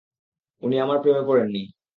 উনি আমার প্রেমে পড়েননি।